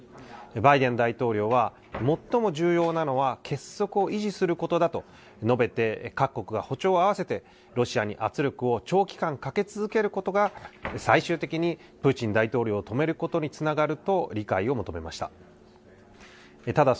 バイデン大統領は、最も重要なのは結束を維持することだと述べて、各国が歩調を合わせてロシアに圧力を長期間かけ続けることが、最終的にプーチン大統領を止めることにつながると理解を求めました。